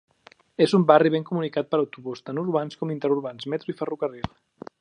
És un barri ben comunicat per autobús, tant urbans com interurbans, metro i ferrocarril.